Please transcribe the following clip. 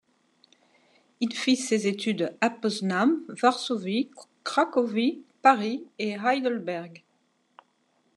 Il fit ses études à Poznań, Varsovie, Cracovie, Paris et Heidelberg.